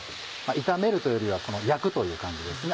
炒めるというよりは焼くという感じですね。